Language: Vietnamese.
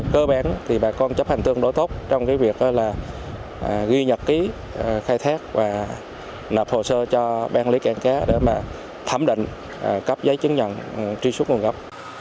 cơ bán bà con chấp hành tương đối tốt trong việc ghi nhật ký khai thác và nập hồ sơ cho ban quản lý các cảng cá để thẩm định cấp giấy chứng nhận truy xuất nguồn gốc